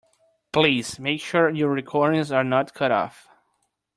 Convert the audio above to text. Please make sure your recordings are not cut off.